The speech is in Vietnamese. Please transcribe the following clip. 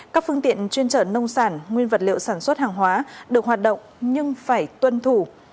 các phương tiện chuyên trở nông sản nguyên vật liệu sản xuất hàng hóa được hoạt động nhưng phải tuân thủ